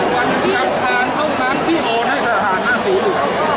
วันเทียบคล้านเท่าม้างที่โอนเลยสถานะสิวเหลือ